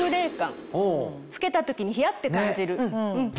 着けた時にヒヤって感じる。